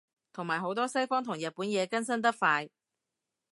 同埋好多西方同日本嘢更新得快